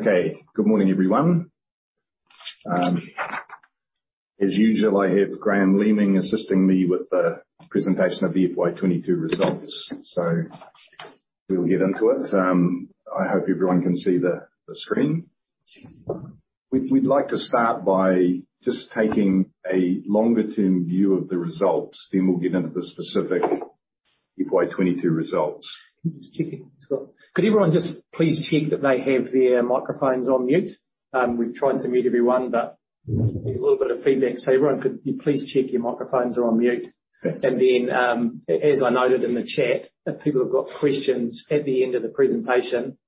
Okay. Good morning, everyone. As usual, I have Graham Leaming assisting me with the presentation of the FY22 results. We'll get into it. I hope everyone can see the screen. We'd like to start by just taking a longer-term view of the results. We'll get into the specific FY22 results. Just checking, Scott. Could everyone just please check that they have their microphones on mute? We've tried to mute everyone, but there's a little bit of feedback. Everyone, could you please check your microphones are on mute. As I noted in the chat, if people have got questions at the end of the presentation,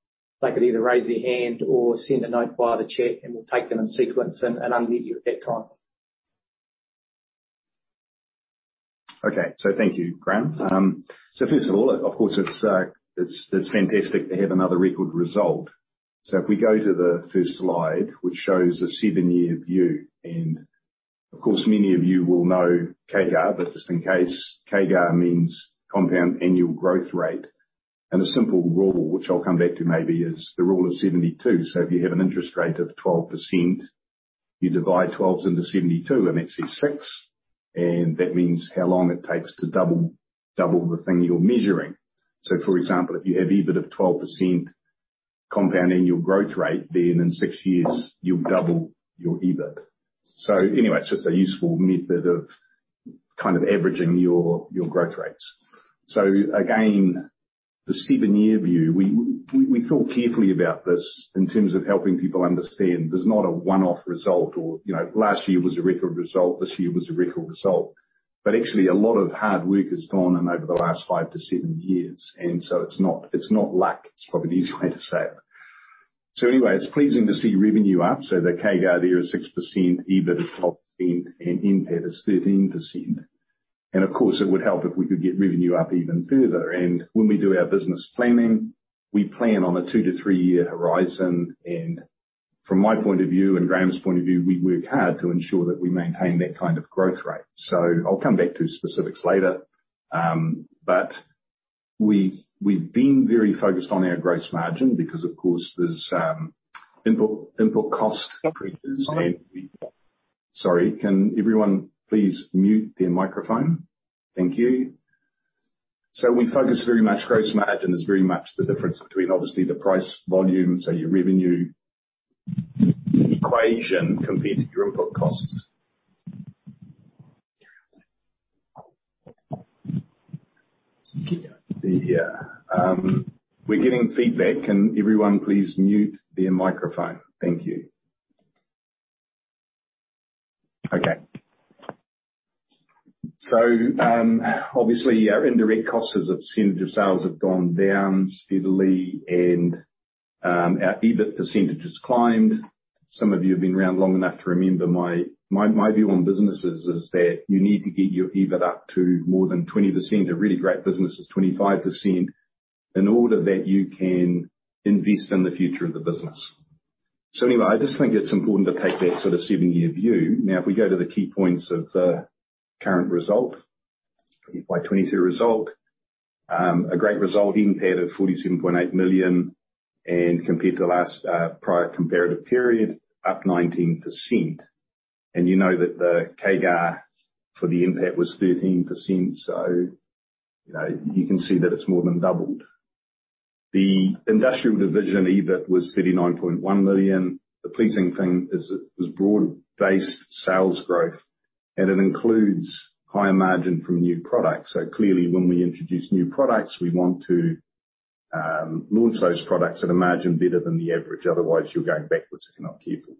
they could either raise their hand or send a note via the chat, and we'll take them in sequence and unmute you at that time. Okay. Thank you, Graham. First of all, of course, it's fantastic to have another record result. If we go to the first slide, which shows a seven-year view, and of course, many of you will know CAGR. Just in case, CAGR means compound annual growth rate. A simple rule, which I'll come back to maybe, is the rule of 72. If you have an interest rate of 12%, you divide twelve into 72, and that says six . That means how long it takes to double the thing you're measuring. For example, if you have EBIT of 12% compounding your growth rate, then in six years you'll double your EBIT. Anyway, it's just a useful method of kind of averaging your growth rates. Again, the seven-year view, we thought carefully about this in terms of helping people understand there's not a one-off result or, you know, last year was a record result, this year was a record result. Actually a lot of hard work has gone in over the last five to seven years. It's not luck. It's probably an easy way to say it. Anyway, it's pleasing to see revenue up. The CAGR there is 6%, EBIT is 12%, and NPAT is 13%. Of course, it would help if we could get revenue up even further. When we do our business planning, we plan on a two to three year horizon. From my point of view and Graham's point of view, we work hard to ensure that we maintain that kind of growth rate. I'll come back to specifics later. We've been very focused on our gross margin because, of course, there's input cost increases. Sorry, can everyone please mute their microphone? Thank you. We focus very much. Gross margin is very much the difference between obviously the price volume, so your revenue equation compared to your input costs. We're getting feedback. Can everyone please mute their microphone? Thank you. Okay. Obviously our indirect costs as a percentage of sales have gone down steadily and our EBIT percentage has climbed. Some of you have been around long enough to remember my view on businesses is that you need to get your EBIT up to more than 20%. A really great business is 25% in order that you can invest in the future of the business. Anyway, I just think it's important to take that sort of seven-year view. Now, if we go to the key points of the current result, FY2022 result. A great result, NPAT at 47.8 million, and compared to the last, prior comparative period, up 19%. You know that the CAGR for the NPAT was 13%, so, you know, you can see that it's more than doubled. The industrial division EBIT was 39.1 million. The pleasing thing is it was broad-based sales growth, and it includes higher margin from new products. Clearly when we introduce new products, we want to, launch those products at a margin better than the average. Otherwise, you're going backwards if you're not careful.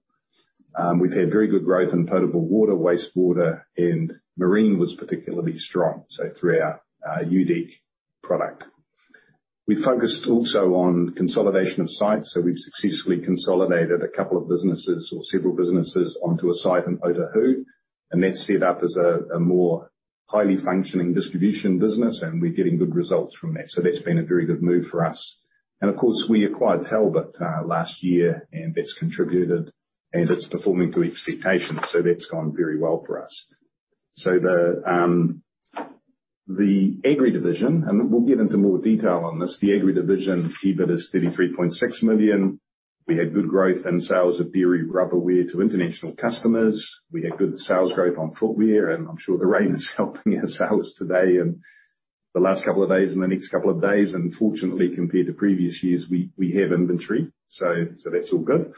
We've had very good growth in potable water, wastewater, and marine was particularly strong. Through our U-DEK product. We focused also on consolidation of sites. We've successfully consolidated a couple of businesses or several businesses onto a site in Oamaru, and that's set up as a more highly functioning distribution business and we're getting good results from that. That's been a very good move for us. Of course, we acquired Talbot last year and that's contributed and it's performing to expectations. That's gone very well for us. The agri -division, and we'll get into more detail on this. The agri division EBIT is 33.6 million. We had good growth in sales of dairy rubberware to international customers. We had good sales growth on footwear. I'm sure the rain is helping our sales today and the last couple of days and the next couple of days. Fortunately, compared to previous years, we have inventory. That's all good.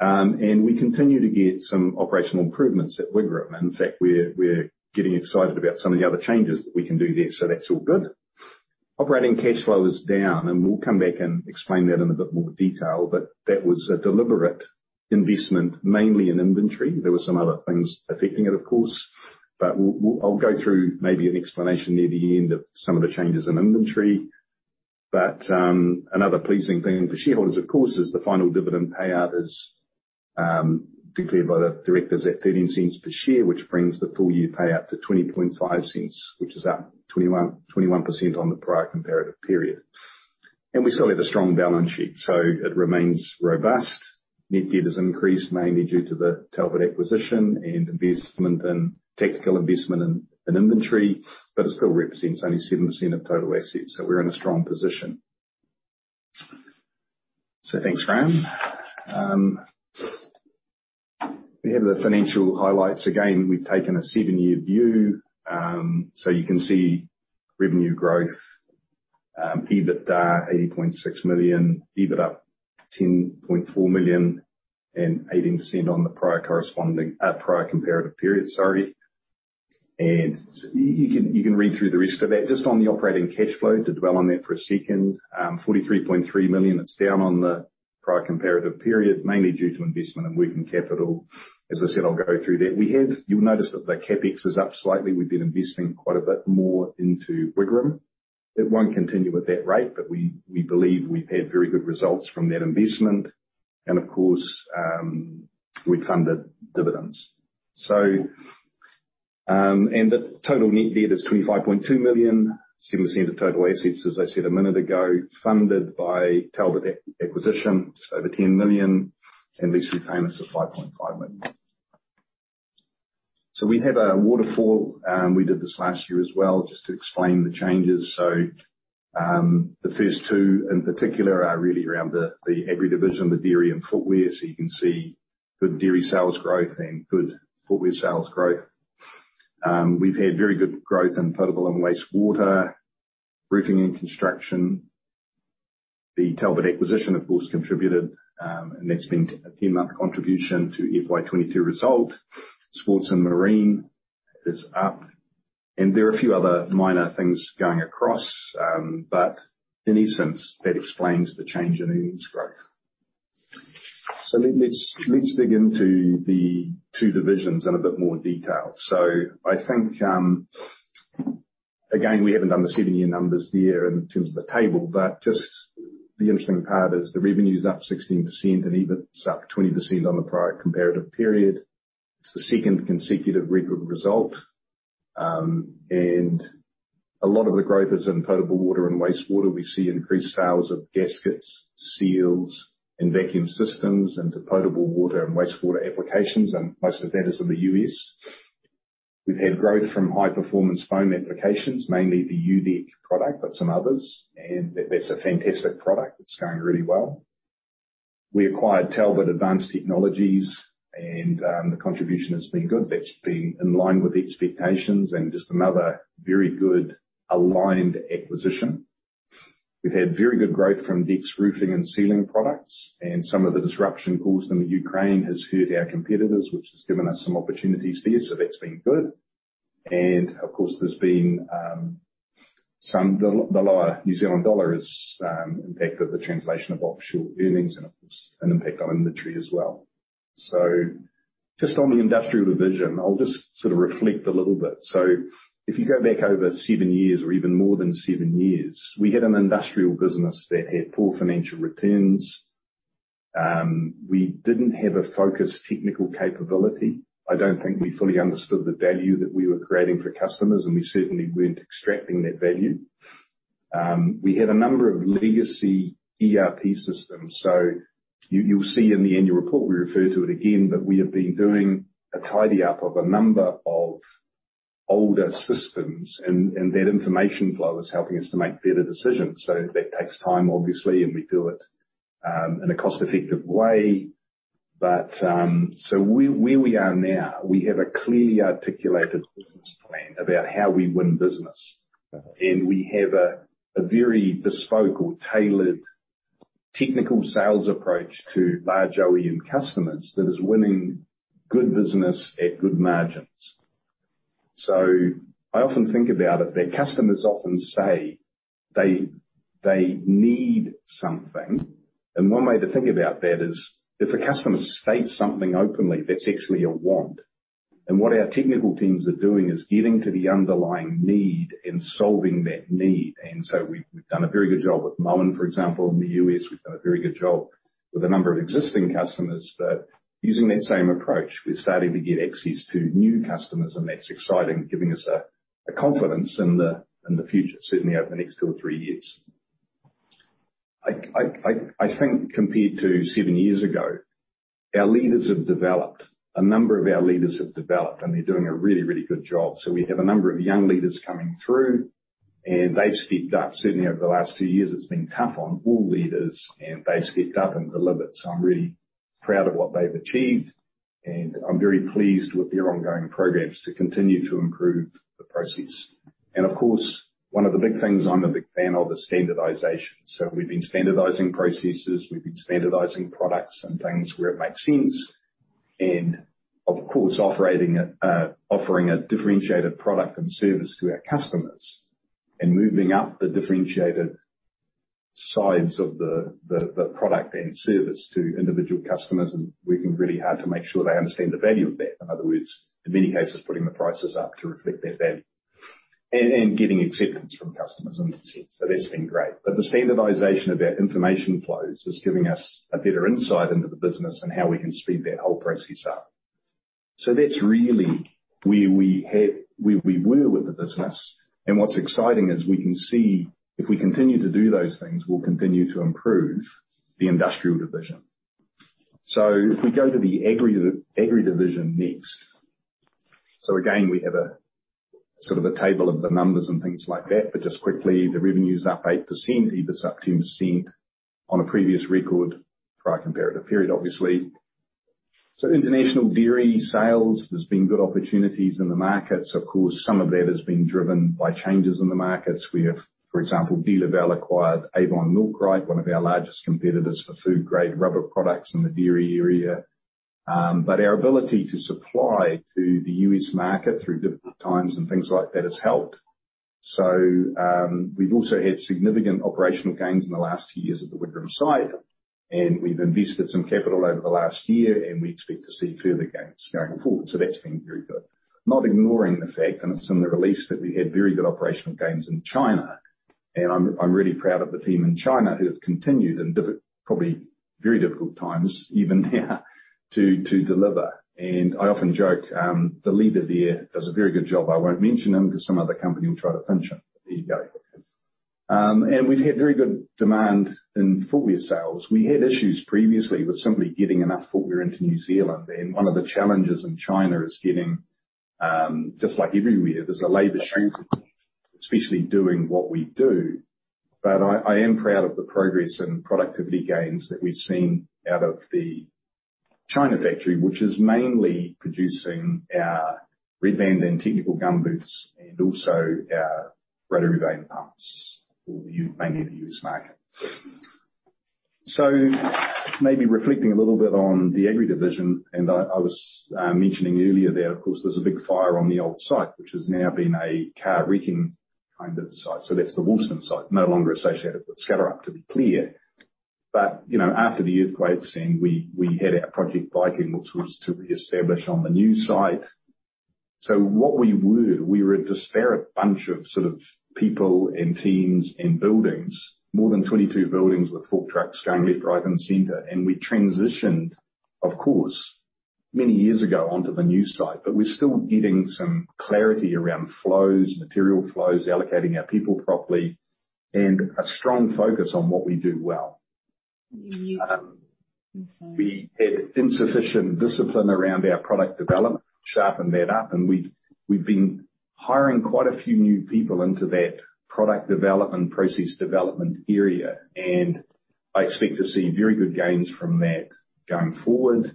We continue to get some operational improvements at Wigram. In fact, we're getting excited about some of the other changes that we can do there. That's all good. Operating cash flow is down, and we'll come back and explain that in a bit more detail. That was a deliberate investment, mainly in inventory. There were some other things affecting it, of course, but we'll go through maybe an explanation near the end of some of the changes in inventory. Another pleasing thing for shareholders, of course, is the final dividend payout declared by the directors at 0.13 per share, which brings the full-year payout to 0.205, which is up 21% on the prior comparative period. We still have a strong balance sheet, so it remains robust. Net debt has increased mainly due to the Talbot acquisition and investment and technical investment in inventory, but it still represents only 7% of total assets. We're in a strong position. Thanks, Graham. We have the financial highlights. Again, we've taken a 7-year view. You can see revenue growth, EBITDA 80.6 million, EBIT 10.4 million and 18% on the prior corresponding, prior comparative period. Sorry. You can read through the rest of that. Just on the operating cash flow, to dwell on that for a second. 43.3 million, It's down on the prior comparative period, mainly due to investment and working capital. As I said, I'll go through that. You'll notice that the CapEx is up slightly. We've been investing quite a bit more into Wigram. It won't continue at that rate, but we believe we've had very good results from that investment. Of course, we funded dividends. The total net debt is 25.2 million, 7% of total assets, as I said a minute ago, funded by Talbot acquisition, just over 10 million, and lease repayments of 5.5 million. We have a waterfall. We did this last year as well just to explain the changes. The first two in particular are really around the Agri- division, the dairy and footwear. You can see good dairy sales growth and good footwear sales growth. We've had very good growth in potable and wastewater, roofing and construction. The Talbot acquisition, of course, contributed. That's been a 10-month contribution to FY2022 result. Sports and Marine is up. There are a few other minor things going across. In essence, that explains the change in earnings growth. Let's dig into the two divisions in a bit more detail. I think, again, we haven't done the seven-year numbers there in terms of the table, but just the interesting part is the revenue is up 16% and EBIT is up 20% on the prior comparative period. It's the second consecutive record result. A lot of the growth is in potable water and wastewater. We see increased sales of gaskets, seals, and vacuum systems into potable water and wastewater applications, and most of that is in the U.S. We've had growth from high-performance foam applications, mainly the U-DEK product, but some others. That's a fantastic product. It's going really well. We acquired Talbot Advanced Technologies, and the contribution has been good. That's been in line with expectations and just another very good aligned acquisition. We've had very good growth from DEKS roofing and sealing products, and some of the disruption caused in Ukraine has hurt our competitors, which has given us some opportunities there. That's been good. Of course, there's been some, the lower New Zealand dollar has impacted the translation of offshore earnings and, of course, an impact on inventory as well. Just on the industrial division, I'll just sort of reflect a little bit. If you go back over seven years or even more than seven years, we had an industrial business that had poor financial returns. We didn't have a focused technical capability. I don't think we fully understood the value that we were creating for customers, and we certainly weren't extracting that value. We had a number of legacy ERP systems. You'll see in the annual report, we refer to it again, but we have been doing a tidy up of a number of older systems, and that information flow is helping us to make better decisions. That takes time, obviously, and we do it in a cost-effective way. Where we are now, we have a clearly articulated business plan about how we win business. We have a very bespoke or tailored technical sales approach to large OEM customers that is winning good business at good margins. I often think about it, that customers often say they need something. One way to think about that is if a customer states something openly, that's actually a want. What our technical teams are doing is getting to the underlying need and solving that need. We've done a very good job at Masport, for example. In the U.S., we've done a very good job with a number of existing customers that using that same approach, we're starting to get access to new customers. That's exciting, giving us a confidence in the future, certainly over the next two or three years. I think compared to seven years ago, our leaders have developed. A number of our leaders have developed, and they're doing a really, really good job. We have a number of young leaders coming through, and they've stepped up. Certainly over the last two years, it's been tough on all leaders, and they've stepped up and delivered. I'm really proud of what they've achieved, and I'm very pleased with their ongoing programs to continue to improve the process. One of the big things I'm a big fan of is standardization. We've been standardizing processes, we've been standardizing products and things where it makes sense. Offering a differentiated product and service to our customers and moving up the differentiated sides of the product and service to individual customers. Working really hard to make sure they understand the value of that. In other words, in many cases, putting the prices up to reflect that value. Getting acceptance from customers in that sense. That's been great. The standardization of our information flows is giving us a better insight into the business and how we can speed that whole process up. That's really where we were with the business. What's exciting is we can see if we continue to do those things, we'll continue to improve the industrial division. If we go to the Agri- division next. Again, we have a sort of a table of the numbers and things like that. Just quickly, the revenue's up 8%, EBIT's up 10% on a previous record prior comparative period, obviously. International dairy sales, there's been good opportunities in the markets. Of course, some of that has been driven by changes in the markets. We have, for example, DeLaval acquired Avon Milkrite, one of our largest competitors for food-grade rubber products in the dairy area. Our ability to supply to the U.S. market through difficult times and things like that has helped. We've also had significant operational gains in the last two years at the Wigram site. We've invested some capital over the last year, and we expect to see further gains going forward. That's been very good. Not ignoring the fact, and it's in the release that we had very good operational gains in China. I'm really proud of the team in China who have continued in probably very difficult times even there to deliver. I often joke, the leader there does a very good job. I won't mention him 'cause some other company will try to pinch him. There you go. We've had very good demand in footwear sales. We had issues previously with simply getting enough footwear into New Zealand. One of the challenges in China is getting, just like everywhere, there's a labor shortage, especially doing what we do. I am proud of the progress and productivity gains that we've seen out of the China factory, which is mainly producing our Red Band and technical gumboots and also our rotary vane pumps mainly the U.S. market. Maybe reflecting a little bit on the Agri division, and I was mentioning earlier there, of course, there's a big fire on the old site, which has now been a car wrecking kind of site. That's the Woolston site, no longer associated with Skellerup, to be clear. You know, after the earthquake scene, we had our Project Viking, which was to reestablish on the new site. We were a disparate bunch of sort of people and teams and buildings. More than 22 buildings with fork trucks going left, right, and center. We transitioned, of course, many years ago onto the new site. We're still getting some clarity around flows, material flows, allocating our people properly, and a strong focus on what we do well. We had insufficient discipline around our product development. Sharpened that up, and we've been hiring quite a few new people into that product development, process development area. I expect to see very good gains from that going forward.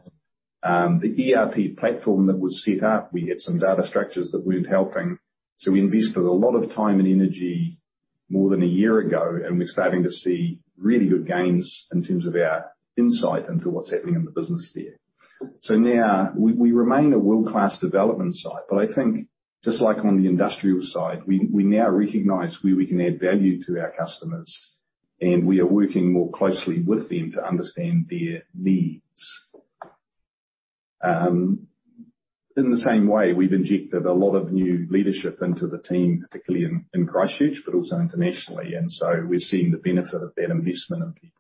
The ERP platform that was set up, we had some data structures that weren't helping. We invested a lot of time and energy more than a year ago, and we're starting to see really good gains in terms of our insight into what's happening in the business there. Now we remain a world-class development site. I think just like on the industrial side, we now recognize where we can add value to our customers, and we are working more closely with them to understand their needs. In the same way, we've injected a lot of new leadership into the team, particularly in Christchurch, but also internationally. We're seeing the benefit of that investment in people.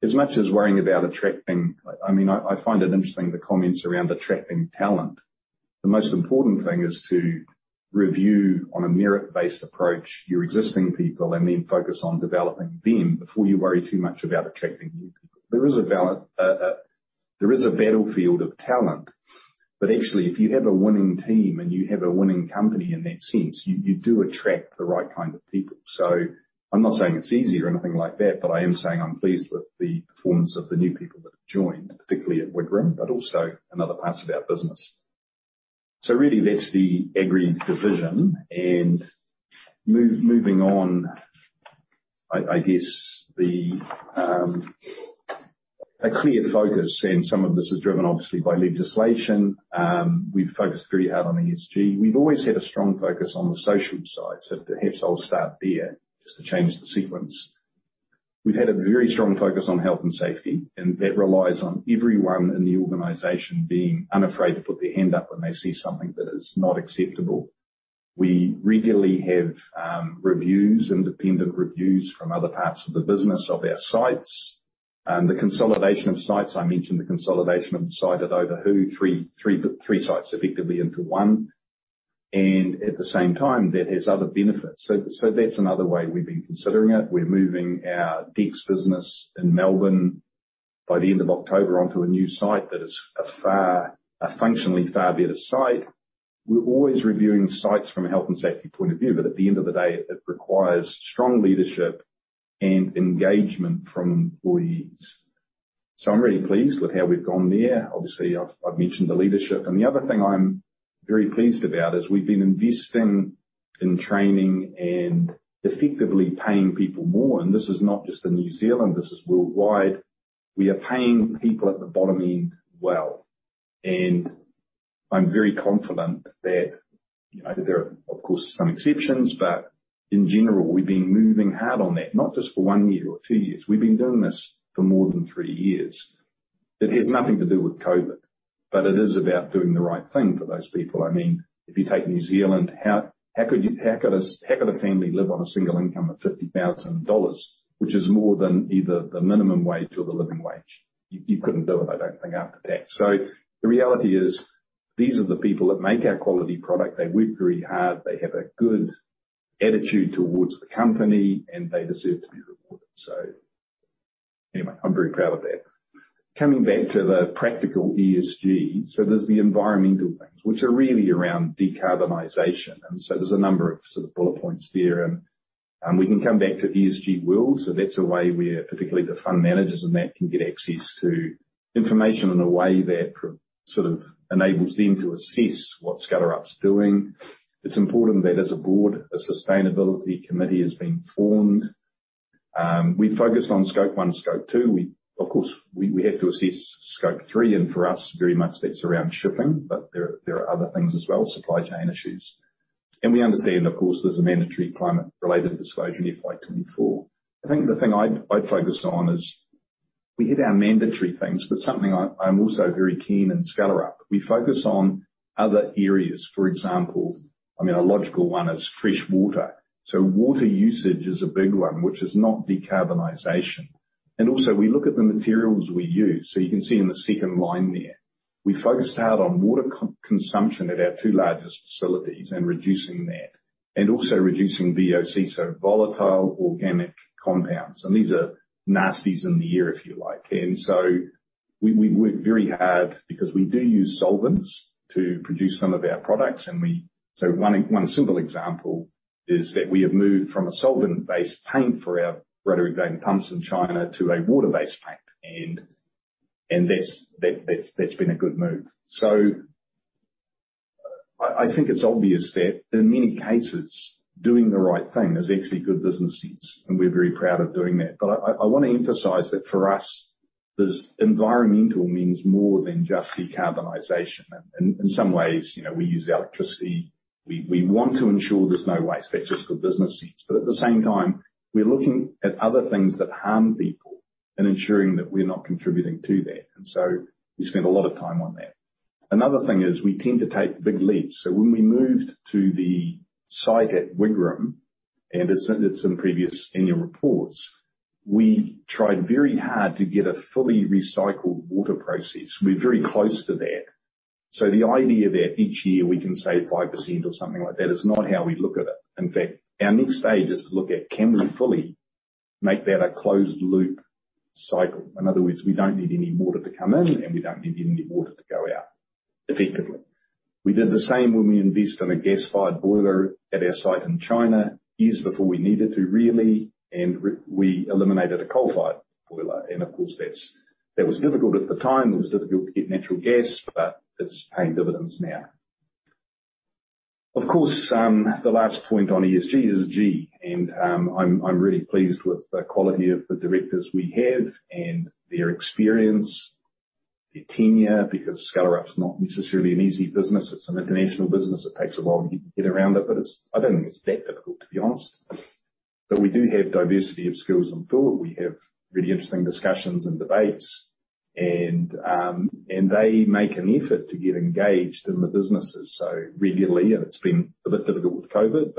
As much as worrying about attracting, I mean, I find it interesting the comments around attracting talent. The most important thing is to review on a merit-based approach your existing people, and then focus on developing them before you worry too much about attracting new people. There is a battlefield of talent. Actually, if you have a winning team and you have a winning company in that sense, you do attract the right kind of people. I'm not saying it's easy or anything like that, but I am saying I'm pleased with the performance of the new people that have joined, particularly at Wigram, but also in other parts of our business. Really that's the Agri division. Moving on, I guess a clear focus, and some of this is driven obviously by legislation. We've focused very hard on ESG. We've always had a strong focus on the social side. Perhaps I'll start there just to change the sequence. We've had a very strong focus on health and safety, and that relies on everyone in the organization being unafraid to put their hand up when they see something that is not acceptable. We regularly have reviews, independent reviews from other parts of the business of our sites. The consolidation of sites. I mentioned the consolidation of the site at Oamaru. Three sites effectively into one. And at the same time, that has other benefits. So that's another way we've been considering it. We're moving our DEKS business in Melbourne by the end of October onto a new site that is functionally far better site. We're always reviewing sites from a health and safety point of view. At the end of the day, it requires strong leadership and engagement from employees. I'm really pleased with how we've gone there. Obviously, I've mentioned the leadership. The other thing I'm very pleased about is we've been investing in training and effectively paying people more. This is not just in New Zealand, this is worldwide. We are paying people at the bottom end well. I'm very confident that, you know, there are, of course, some exceptions, but in general, we've been moving hard on that, not just for one year or two years. We've been doing this for more than three years. It has nothing to do with COVID, but it is about doing the right thing for those people. I mean, if you take New Zealand, how could a family live on a single income of 50,000 dollars, which is more than either the minimum wage or the living wage? You couldn't do it, I don't think, after tax. The reality is these are the people that make our quality product. They work very hard. They have a good attitude towards the company, and they deserve to be rewarded. Anyway, I'm very proud of that. Coming back to the practical ESG. There's the environmental things which are really around decarbonization. We can come back to ESG World. That's a way where, particularly the fund managers and that can get access to information in a way that sort of enables them to assess what Skellerup's doing. It's important that as a board, a sustainability committee has been formed. We focus on Scope 1, Scope 2. Of course, we have to assess Scope 3, and for us, very much that's around shipping. There are other things as well, supply chain issues. We understand of course there's a Mandatory Climate-Related Disclosures in FY2024. I think the thing I'd focus on is we hit our mandatory things. Something I'm also very keen in Skellerup, we focus on other areas. For example, I mean a logical one is fresh water. Water usage is a big one, which is not decarbonization. We also look at the materials we use. You can see in the second line there, we focused hard on water consumption at our two largest facilities and reducing that, and also reducing VOC, so volatile organic compounds. These are nasties in the air if you like. We worked very hard because we do use solvents to produce some of our products. One simple example is that we have moved from a solvent-based paint for our rotary vane pumps in China to a water-based paint. That's been a good move. I think it's obvious that in many cases doing the right thing is actually good business sense, and we are very proud of doing that. I want to emphasize that for us, this environmental means more than just decarbonization. In some ways, you know, we use electricity, we want to ensure there's no waste. That's just for business sense. At the same time, we are looking at other things that harm people and ensuring that we are not contributing to that. We spend a lot of time on that. Another thing is we tend to take big leaps. When we moved to the site at Wigram and as said in some previous annual reports, we tried very hard to get a fully recycled water process. We are very close to that. The idea that each year we can save 5% or something like that is not how we look at it. In fact, our next stage is to look at can we fully make that a closed loop cycle? In other words, we don't need any water to come in, and we don't need any water to go out, effectively. We did the same when we invest in a gas-fired boiler at our site in China years before we needed to, really. We eliminated a coal-fired boiler. Of course, that was difficult at the time. It was difficult to get natural gas, but it's paying dividends now. Of course, the last point on ESG is G. I'm really pleased with the quality of the directors we have and their experience, their tenure, because Skellerup's not necessarily an easy business. It's an international business. It takes a while to get around it, but I don't think it's that difficult, to be honest. We do have diversity of skills and thought. We have really interesting discussions and debates, and they make an effort to get engaged in the businesses so regularly. It's been a bit difficult with COVID.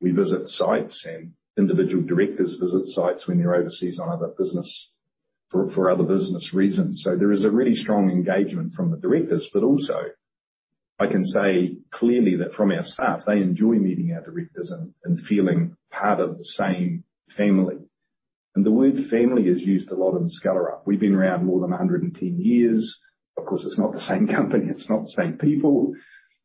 We visit sites and individual directors visit sites when you're overseas on other business for other business reasons. There is a really strong engagement from the directors. Also I can say clearly that from our staff, they enjoy meeting our directors and feeling part of the same family. The word family is used a lot in Skellerup. We've been around more than 110 years. Of course, it's not the same company, it's not the same people,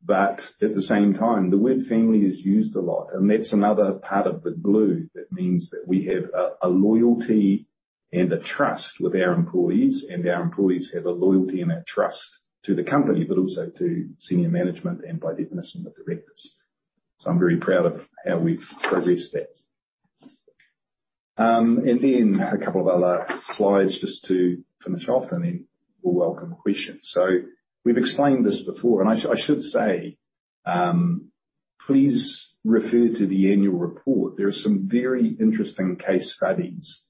but at the same time the word family is used a lot. That's another part of the glue that means that we have a loyalty and a trust with our employees, and our employees have a loyalty and a trust to the company, but also to senior management and by definition, the directors. I'm very proud of how we've progressed that. Then a couple of other slides just to finish off and then we'll welcome questions. We've explained this before and I should say, please refer to the annual report. There are some very interesting case studies.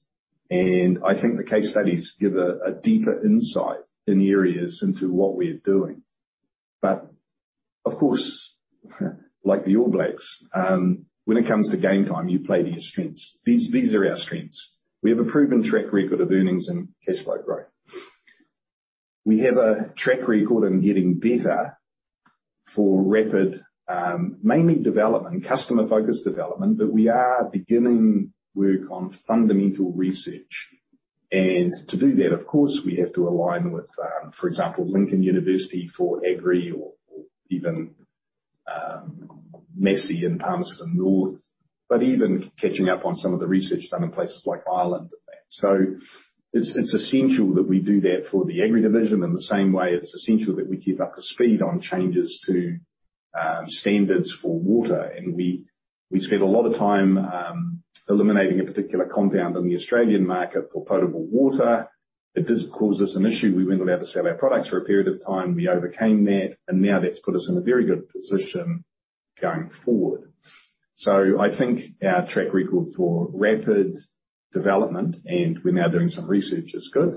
I think the case studies give a deeper insight into areas what we are doing. Of course like the All Blacks, when it comes to game time, you play to your strengths. These are our strengths. We have a proven track record of earnings and cash flow growth. We have a track record in getting better for rapid mainly development, customer-focused development. We are beginning work on fundamental research. To do that, of course, we have to align with, for example, Lincoln University for agri or even Massey in Palmerston North. Even catching up on some of the research done in places like Ireland and that. It's essential that we do that for the agri division in the same way it's essential that we keep up to speed on changes to standards for water. We spent a lot of time eliminating a particular compound on the Australian market for potable water. It does cause us an issue. We weren't allowed to sell our products for a period of time. We overcame that and now that's put us in a very good position going forward. I think our track record for rapid development and we're now doing some research is good.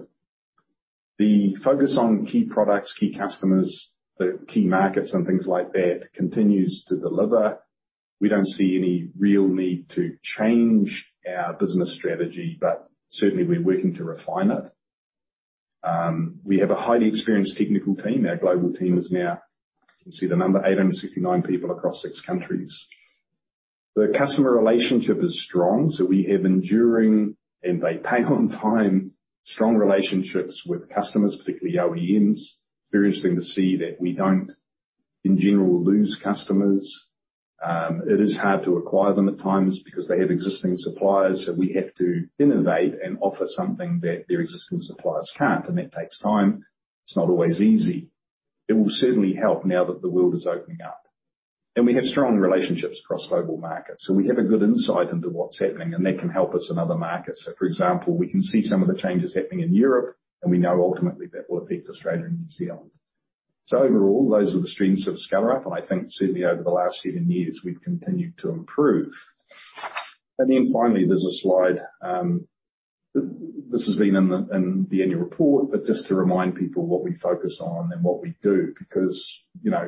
The focus on key products, key customers, the key markets and things like that continues to deliver. We don't see any real need to change our business strategy, but certainly we are working to refine it. We have a highly experienced technical team. Our global team is now, you can see the number, 869 people across six countries. The customer relationship is strong, so we have enduring, and they pay on time, strong relationships with customers, particularly OEMs. Very interesting to see that we don't, in general, lose customers. It is hard to acquire them at times because they have existing suppliers. We have to innovate and offer something that their existing suppliers can't, and that takes time. It's not always easy. It will certainly help now that the world is opening up. We have strong relationships across global markets, so we have a good insight into what's happening, and that can help us in other markets. For example, we can see some of the changes happening in Europe, and we know ultimately that will affect Australia and New Zealand. Overall, those are the strengths of Skellerup, and I think certainly over the last seven years, we've continued to improve. Then finally, there's a slide, this has been in the annual report, but just to remind people what we focus on and what we do, because, you know,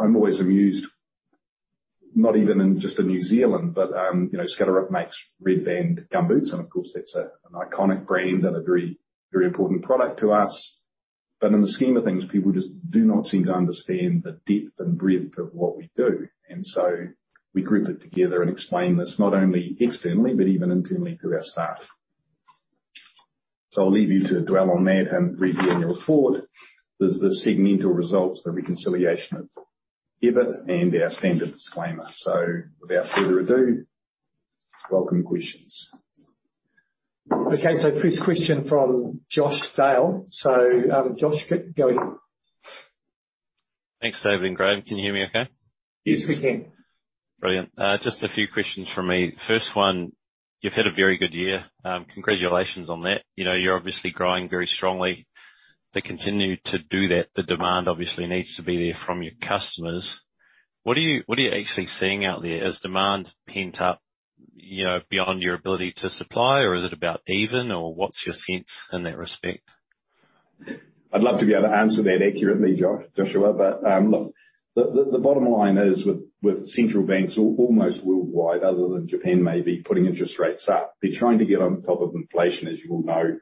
I'm always amused, not even just in New Zealand, but, you know, Skellerup makes Red Band gumboots, and of course that's an iconic brand and a very, very important product to us. In the scheme of things, people just do not seem to understand the depth and breadth of what we do. We group it together and explain this not only externally, but even internally to our staff. I'll leave you to dwell on that and read the annual report. There's the segmental results, the reconciliation of EBIT and our standard disclaimer. Without further ado, welcome questions. Okay, first question from Joshua Dale. Josh, go ahead. Thanks, David and Graham. Can you hear me okay? Yes, we can. Brilliant. Just a few questions from me. First one, you've had a very good year. Congratulations on that. You know, you're obviously growing very strongly. To continue to do that, the demand obviously needs to be there from your customers. What are you actually seeing out there? Is demand pent up, you know, beyond your ability to supply, or is it about even, or what's your sense in that respect? I'd love to be able to answer that accurately, Josh. Look, the bottom line is with central banks almost worldwide, other than Japan maybe, putting interest rates up, they're trying to get on top of inflation, as you all know,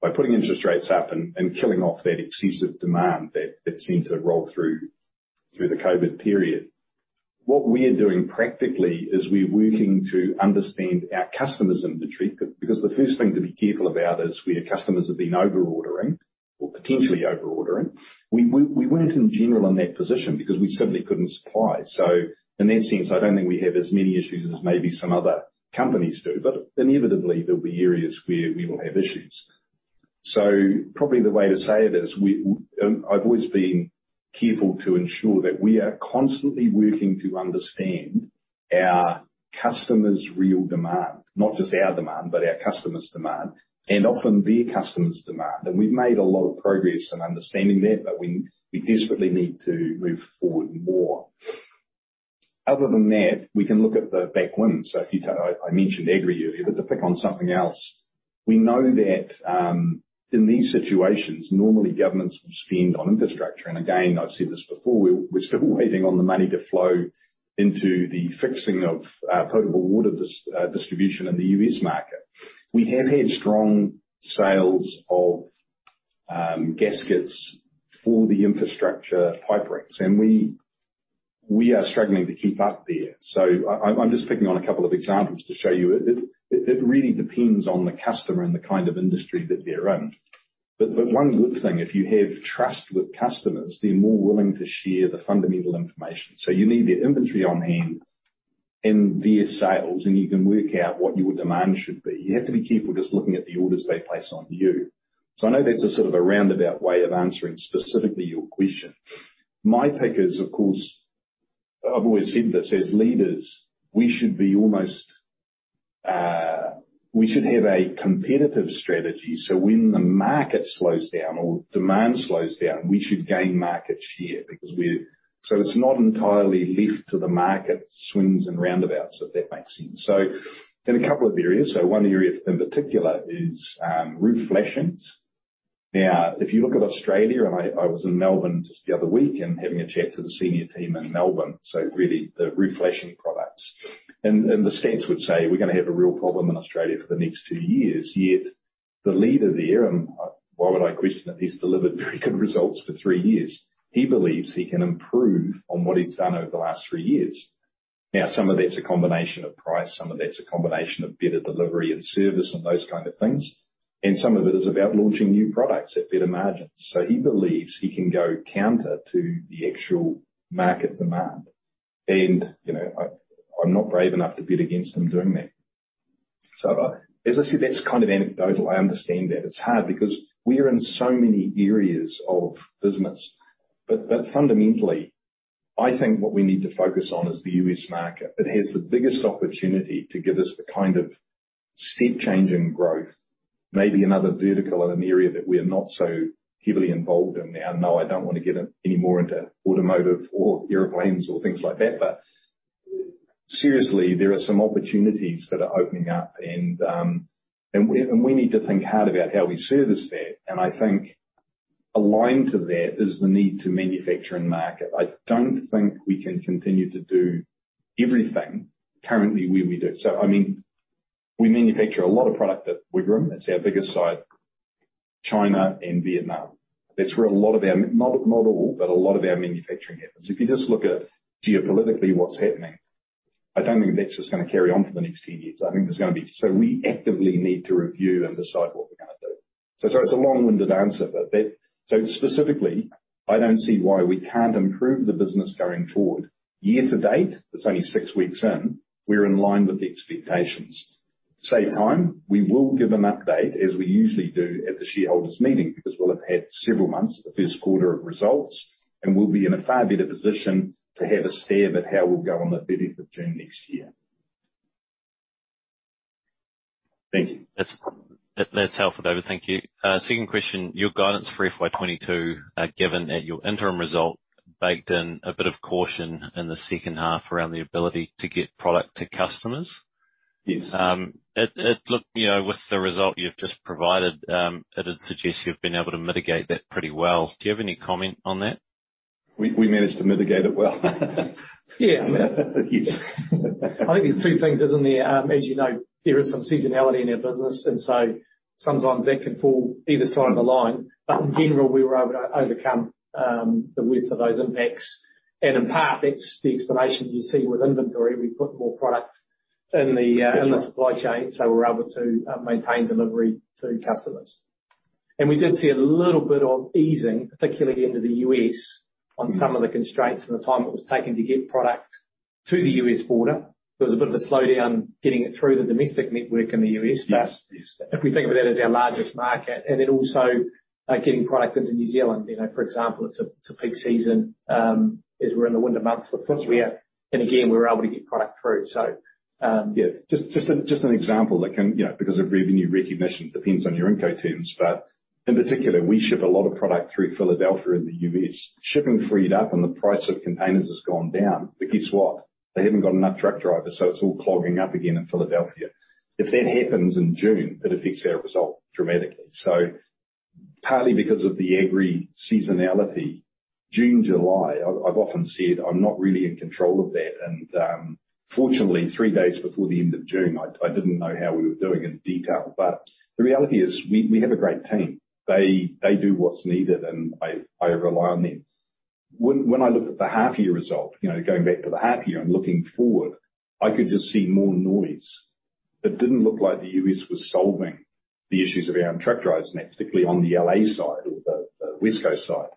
by putting interest rates up and killing off that excessive demand that seemed to roll through the COVID period. What we are doing practically is we're working to understand our customers' inventory. Because the first thing to be careful about is where customers have been over ordering or potentially over ordering. We weren't in general in that position because we simply couldn't supply. In that sense, I don't think we have as many issues as maybe some other companies do. Inevitably, there'll be areas where we will have issues. Probably the way to say it is I've always been careful to ensure that we are constantly working to understand our customers' real demand. Not just our demand, but our customers' demand, and often their customers' demand. We've made a lot of progress in understanding that, but we desperately need to move forward more. Other than that, we can look at the back wins. I mentioned agri earlier. To pick on something else, we know that in these situations, normally governments will spend on infrastructure. Again, I've said this before, we're still waiting on the money to flow into the fixing of potable water distribution in the U.S. market. We have had strong sales of gaskets for the infrastructure pipe rigs, and we are struggling to keep up there. I'm just picking on a couple of examples to show you. It really depends on the customer and the kind of industry that they're in. One good thing, if you have trust with customers, they're more willing to share the fundamental information. You need their inventory on hand and their sales, and you can work out what your demand should be. You have to be careful just looking at the orders they place on you. I know that's a sort of a roundabout way of answering specifically your question. My take is, of course, I've always said this, as leaders, we should be almost, we should have a competitive strategy, so when the market slows down or demand slows down, we should gain market share because we're It's not entirely left to the market swings and roundabouts, if that makes sense. There are a couple of areas. One area in particular is roof flashings. Now, if you look at Australia, and I was in Melbourne just the other week and having a chat to the senior team in Melbourne, so really the roof flashing products. The stats would say we're gonna have a real problem in Australia for the next two years. Yet the leader there, and why would I question it? He's delivered very good results for three years. Now, some of that's a combination of price, some of that's a combination of better delivery and service and those kind of things. Some of it is about launching new products at better margins. He believes he can go counter to the actual market demand. You know, I'm not brave enough to bet against him doing that. As I said, that's kind of anecdotal. I understand that. It's hard because we are in so many areas of business. Fundamentally, I think what we need to focus on is the US market. It has the biggest opportunity to give us the kind of step change in growth, maybe another vertical in an area that we are not so heavily involved in now. No, I don't wanna get any more into automotive or airplanes or things like that. Seriously, there are some opportunities that are opening up and we need to think hard about how we service that. I think aligned to that is the need to manufacture in market. I don't think we can continue to do everything currently where we do. I mean, we manufacture a lot of product at Wigram. That's our biggest site. China and Vietnam. That's where a lot of our, not all, but a lot of our manufacturing happens. If you just look at geopolitically what's happening, I don't think that's just gonna carry on for the next 10 years. I think there's gonna be. We actively need to review and decide what we're gonna do. So it's a long-winded answer, but that. Specifically, I don't see why we can't improve the business going forward. Year to date, it's only six weeks in, we're in line with the expectations. Save time, we will give an update, as we usually do, at the shareholders meeting because we'll have had several months, the first quarter of results, and we'll be in a far better position to have a stab at how we'll go on the 13th of June next year. Thank you. That's helpful, David. Thank you. Second question. Your guidance for FY2022, given at your interim result, baked in a bit of caution in the second half around the ability to get product to customers. Yes. It looked, you know, with the result you've just provided, it would suggest you've been able to mitigate that pretty well. Do you have any comment on that? We managed to mitigate it well. Yeah. Yes. I think there's two things, isn't there? As you know, there is some seasonality in our business, and so sometimes that can fall either side of the line. In general, we were able to overcome the worst of those impacts. In part, that's the explanation you see with inventory. We put more product in the supply chain, so we're able to maintain delivery to customers. We did see a little bit of easing, particularly into the U.S., on some of the constraints and the time it was taking to get product to the U.S. border. There was a bit of a slowdown getting it through the domestic network in the U.S. Yes. Yes. If we think of it as our largest market. Also, getting product into New Zealand. You know, for example, it's a peak season, as we're in the winter months for first year. Again, we were able to get product through. Yeah. Just an example that can, you know, because of revenue recognition, depends on your Incoterms. In particular, we ship a lot of product through Philadelphia in the U.S. Shipping freed up and the price of containers has gone down. Guess what? They haven't got enough truck drivers, so it's all clogging up again in Philadelphia. If that happens in June, it affects our result dramatically. Partly because of the agri seasonality, June, July, I've often said I'm not really in control of that. Fortunately, three days before the end of June, I didn't know how we were doing in detail. The reality is we have a great team. They do what's needed and I rely on them. When I look at the half year result, you know, going back to the half year and looking forward, I could just see more noise. It didn't look like the U.S. was solving the issues around truck drivers, and particularly on the L.A. side or the West Coast side.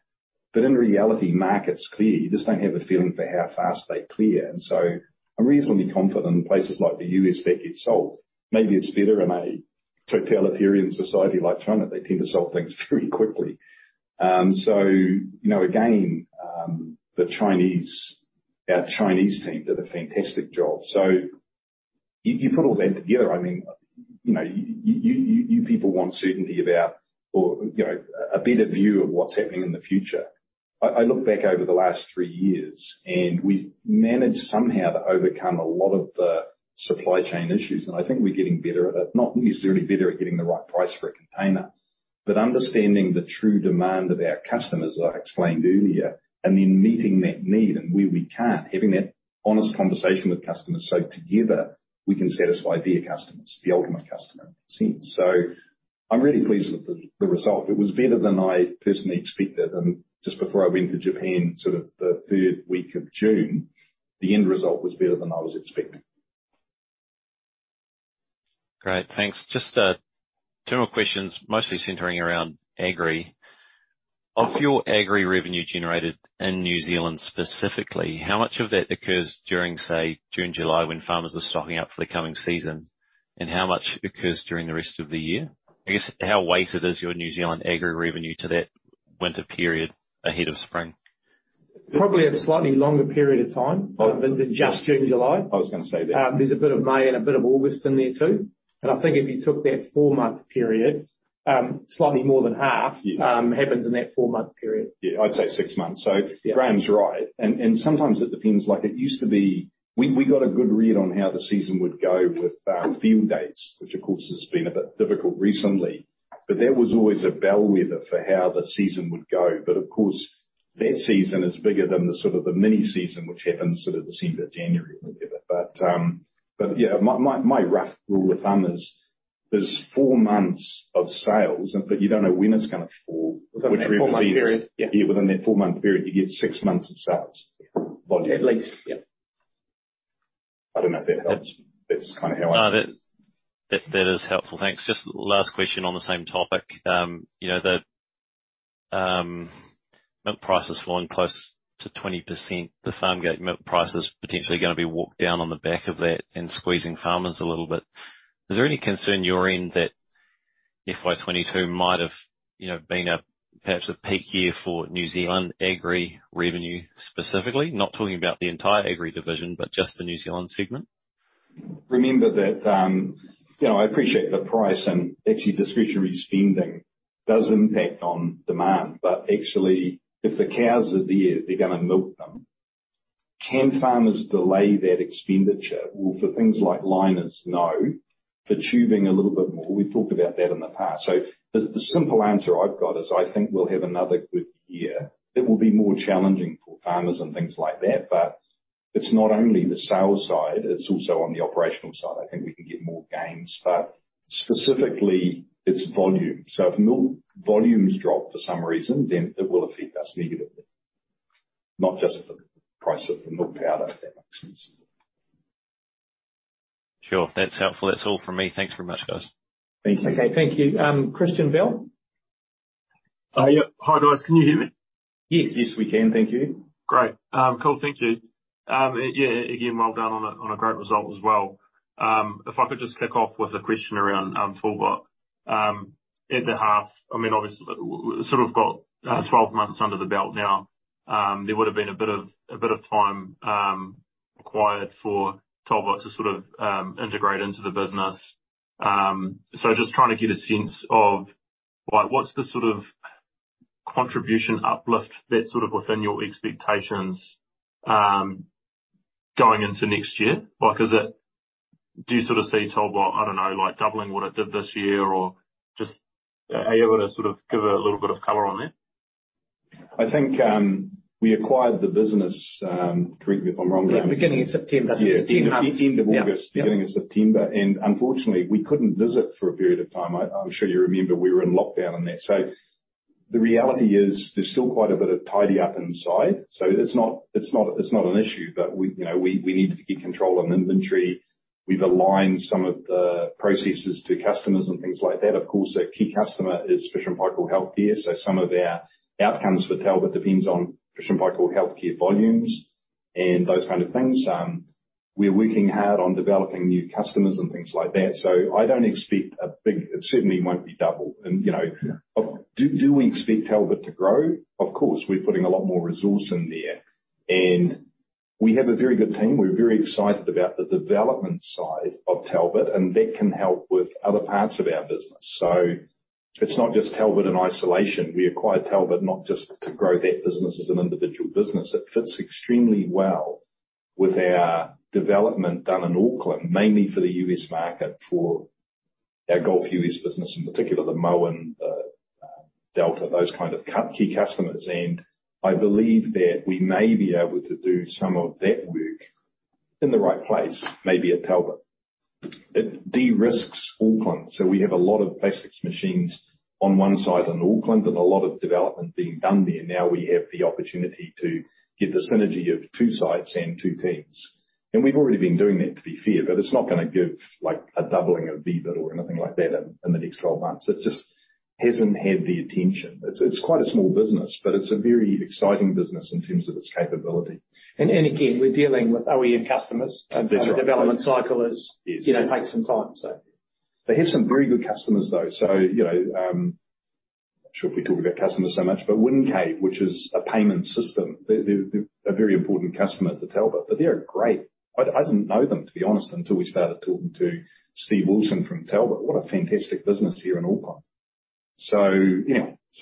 In reality, markets clear. You just don't have a feeling for how fast they clear. I'm reasonably confident in places like the U.S. that get solved. Maybe it's better in a totalitarian society like China, they tend to solve things very quickly. You know, again, the Chinese, our Chinese team did a fantastic job. If you put all that together, I mean, you know, you people want certainty about or, you know, a better view of what's happening in the future. I look back over the last three years and we've managed somehow to overcome a lot of the supply chain issues, and I think we're getting better at it. Not necessarily better at getting the right price for a container, but understanding the true demand of our customers, as I explained earlier, and then meeting that need and where we can't, having that honest conversation with customers so together we can satisfy their customers, the ultimate customer in that sense. I'm really pleased with the result. It was better than I personally expected. Just before I went to Japan, sort of the 3rd week of June, the end result was better than I was expecting. Great. Thanks. Just two more questions, mostly centering around agri. Of your agri revenue generated in New Zealand specifically, how much of that occurs during, say, June, July, when farmers are stocking up for the coming season? How much occurs during the rest of the year? I guess, how weighted is your New Zealand agri revenue to that winter period ahead of spring? Probably a slightly longer period of time. Oh. than just June, July. I was gonna say that. There's a bit of May and a bit of August in there, too. I think if you took that four-month period, slightly more than half- Yes. happens in that four-month period. Yeah, I'd say six months. So Graham's right. Sometimes it depends, like it used to be, we got a good read on how the season would go with field days, which of course has been a bit difficult recently. That was always a bellwether for how the season would go. Of course, that season is bigger than the sort of the mini season which happens sort of December, January, whatever. Yeah, my rough rule of thumb is there's four months of sales, but you don't know when it's gonna fall. Within that four-month period. Yeah, within that 4-month period, you get 6 months of sales volume. At least. Yeah. I don't know if that helps. That's kinda how I- No. That is helpful. Thanks. Just last question on the same topic. You know, the milk price is falling close to 20%. The farm gate milk price is potentially gonna be walked down on the back of that and squeezing farmers a little bit. Is there any concern your end that FY2022 might have been perhaps a peak year for New Zealand agri revenue specifically? Not talking about the entire agri division, but just the New Zealand segment. Remember that, you know, I appreciate the price and actually discretionary spending does impact on demand. Actually, if the cows are there, they're gonna milk them. Can farmers delay that expenditure? Well, for things like liners, no. For tubing a little bit more. We've talked about that in the past. The simple answer I've got is I think we'll have another good year. It will be more challenging for farmers and things like that, but it's not only the sales side, it's also on the operational side. I think we can get more gains, but specifically, it's volume. If milk volumes drop for some reason, then it will affect us negatively, not just the price of the milk powder. If that makes sense. Sure. That's helpful. That's all from me. Thanks very much, guys. Thank you. Okay, thank you. Christian Bell. Yeah. Hi, guys. Can you hear me? Yes. Yes, we can. Thank you. Great. Cool. Thank you. Yeah, again, well done on a great result as well. If I could just kick off with a question around Talbot. At the half, I mean, obviously, we sort of got 12 months under the belt now. There would've been a bit of time required for Talbot to sort of integrate into the business. So just trying to get a sense of, like, what's the sort of contribution uplift that's sort of within your expectations going into next year? Like, is it? Do you sort of see Talbot, I don't know, like doubling what it did this year? Or just are you able to sort of give a little bit of color on that? I think we acquired the business. Correct me if I'm wrong, Graham. Yeah, beginning of September. Yeah. It's 10 months. End of August. Yeah. Beginning of September. Unfortunately, we couldn't visit for a period of time. I'm sure you remember we were in lockdown and that. The reality is there's still quite a bit of tidy up inside. It's not an issue, but you know, we need to get control on inventory. We've aligned some of the processes to customers and things like that. Of course, a key customer is Fisher & Paykel Healthcare, so some of our outcomes for Talbot depends on Fisher & Paykel Healthcare volumes and those kind of things. We're working hard on developing new customers and things like that. I don't expect a big. It certainly won't be double, you know. Yeah. Do we expect Talbot to grow? Of course. We're putting a lot more resource in there. We have a very good team. We're very excited about the development side of Talbot, and that can help with other parts of our business. It's not just Talbot in isolation. We acquired Talbot not just to grow that business as an individual business. It fits extremely well with our development done in Auckland, mainly for the U.S. market, for our core U.S. business, in particular, the Moen, Delta, those kind of key customers. I believe that we may be able to do some of that work in the right place, maybe at Talbot. It de-risks Auckland. We have a lot of plastics machines on one side in Auckland and a lot of development being done there. Now we have the opportunity to get the synergy of two sites and two teams. We've already been doing that, to be fair, but it's not gonna give, like, a doubling of EBITDA or anything like that in the next 12 months. It just hasn't had the attention. It's quite a small business, but it's a very exciting business in terms of its capability. Again, we're dealing with OEM customers. That's right. The development cycle is. Yes. You know, takes some time, so. They have some very good customers, though. You know, not sure if we talk about customers so much, but Windcave, which is a payment system, they're a very important customer to Talbot, but they are great. I didn't know them, to be honest, until we started talking to Steve Wilson from Talbot. What a fantastic business here in Auckland.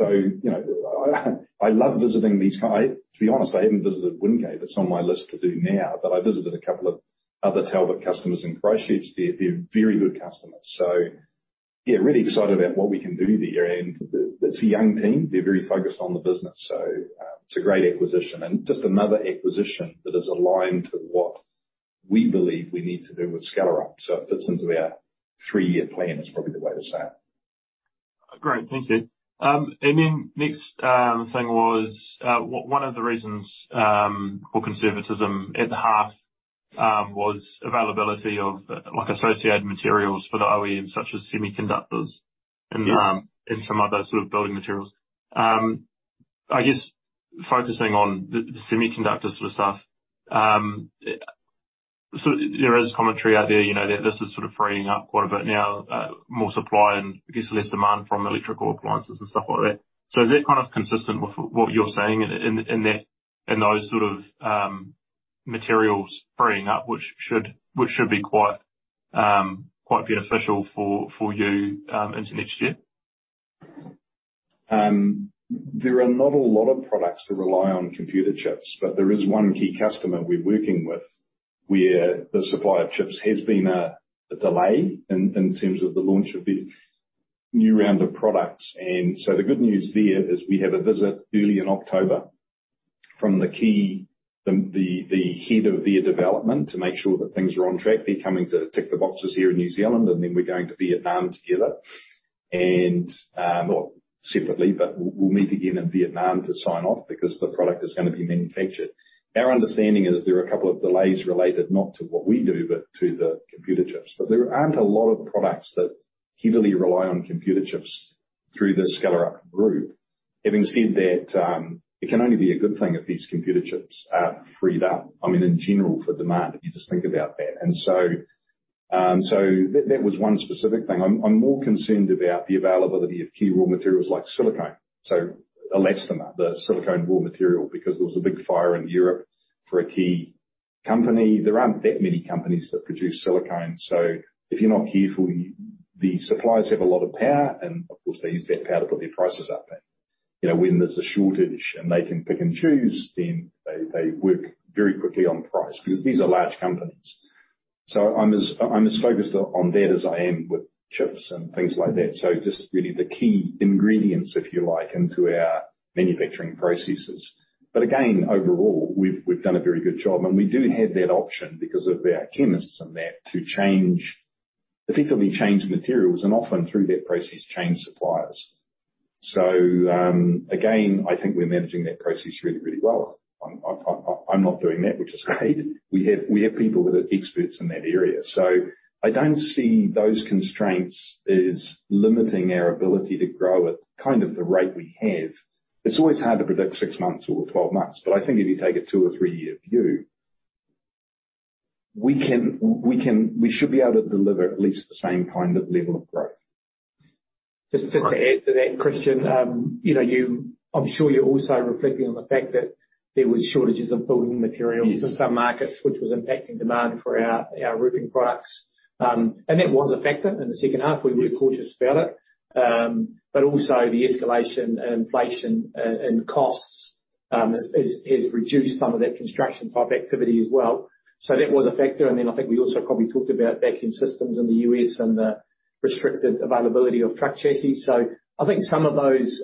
You know, I love visiting. To be honest, I haven't visited Windcave. It's on my list to do now. I visited a couple of other Talbot customers in Christchurch. They're very good customers. Yeah, really excited about what we can do there. It's a young team. They're very focused on the business. It's a great acquisition and just another acquisition that is aligned to what we believe we need to do with Skellerup. It fits into our three-year plan is probably the way to say it. Great. Thank you. Next thing was one of the reasons for conservatism at the half was availability of, like, associated materials for the OEM, such as semiconductors. Yes. Some other sort of building materials. I guess focusing on the semiconductor sort of stuff. There is commentary out there, you know, that this is sort of freeing up quite a bit now, more supply and I guess less demand from electrical appliances and stuff like that. Is that kind of consistent with what you're saying in that, in those sort of materials freeing up, which should be quite beneficial for you into next year? There are not a lot of products that rely on computer chips, but there is one key customer we're working with, where the supply of chips has been a delay in terms of the launch of their new round of products. The good news there is we have a visit early in October from the head of their development to make sure that things are on track. They're coming to tick the boxes here in New Zealand, and then we're going to Vietnam together and separately, but we'll meet again in Vietnam to sign off because the product is gonna be manufactured. Our understanding is there are a couple of delays related not to what we do, but to the computer chips. There aren't a lot of products that heavily rely on computer chips through the Skellerup Group. Having said that, it can only be a good thing if these computer chips are freed up, I mean, in general for demand, if you just think about that. That was one specific thing. I'm more concerned about the availability of key raw materials like silicone, so elastomer, the silicone raw material, because there was a big fire in Europe for a key company. There aren't that many companies that produce silicone. So if you're not careful, the suppliers have a lot of power, and of course, they use that power to put their prices up then. You know, when there's a shortage and they can pick and choose, then they work very quickly on price, because these are large companies. So I'm as focused on that as I am with chips and things like that. Just really the key ingredients, if you like, into our manufacturing processes. Again, overall, we've done a very good job, and we do have that option because of our chemists and that to change, effectively change materials and often through that process, change suppliers. Again, I think we're managing that process really, really well. I'm not doing that, which is great. We have people that are experts in that area. I don't see those constraints as limiting our ability to grow at kind of the rate we have. It's always hard to predict six months or 12 months, but I think if you take a two- or three-year view, we can, we should be able to deliver at least the same kind of level of growth. Just to add to that, Christian, you know, I'm sure you're also reflecting on the fact that there was shortages of building materials. Yes. in some markets, which was impacting demand for our roofing products. That was a factor in the second half. Yeah. We were cautious about it. Also the escalation and inflation and costs has reduced some of that construction type activity as well. That was a factor. Then I think we also probably talked about vacuum systems in the U.S. and the restricted availability of truck chassis. I think some of those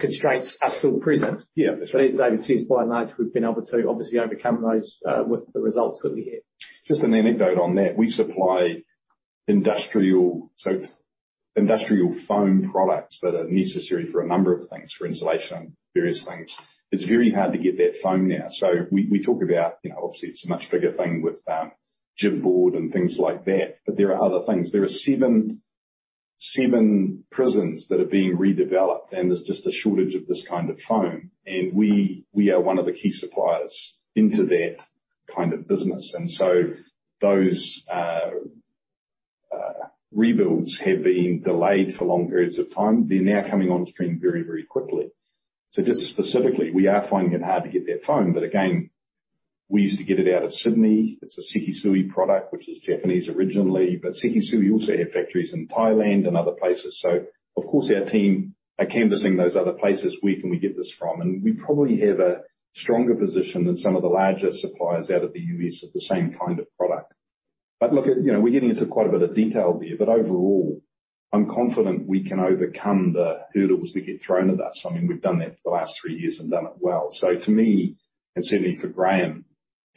constraints are still present. Yeah. As David says, by and large, we've been able to obviously overcome those, with the results that we have. Just an anecdote on that. We supply industrial, so industrial foam products that are necessary for a number of things, for insulation, various things. It's very hard to get that foam now. We talk about, you know, obviously it's a much bigger thing with GIB board and things like that, but there are other things. There are seven prisons that are being redeveloped, and there's just a shortage of this kind of foam. We are one of the key suppliers into that kind of business. Those rebuilds have been delayed for long periods of time. They're now coming on stream very, very quickly. Just specifically, we are finding it hard to get that foam. But again, we used to get it out of Sydney. It's a Sekisui product, which is Japanese originally. Sekisui also have factories in Thailand and other places. Of course, our team are canvassing those other places, where can we get this from? We probably have a stronger position than some of the larger suppliers out of the U.S. of the same kind of product. Look, you know, we're getting into quite a bit of detail there. Overall, I'm confident we can overcome the hurdles that get thrown at us. I mean, we've done that for the last three years and done it well. To me, and certainly for Graham,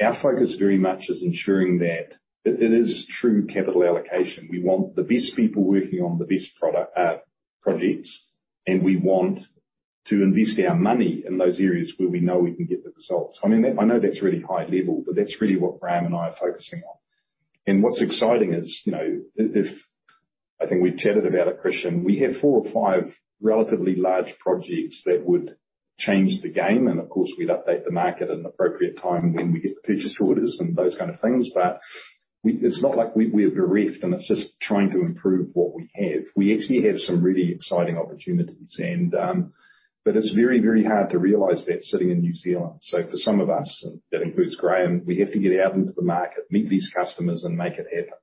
our focus very much is ensuring that it is true capital allocation. We want the best people working on the best product, projects, and we want to invest our money in those areas where we know we can get the results. I mean, I know that's really high level, but that's really what Graham and I are focusing on. What's exciting is, you know, I think we've chatted about it, Christian, we have four or five relatively large projects that would change the game. Of course, we'd update the market at an appropriate time when we get the purchase orders and those kind of things. It's not like we are bereft, and it's just trying to improve what we have. We actually have some really exciting opportunities and. It's very, very hard to realize that sitting in New Zealand. For some of us, and that includes Graham, we have to get out into the market, meet these customers, and make it happen.